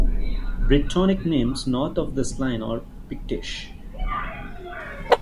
Brittonic names north of this line are Pictish.